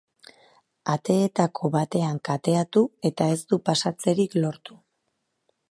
Ateetako batean kateatu eta ez du pasatzerik lortu.